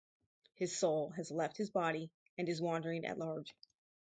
His soul has left his body and is wandering at large.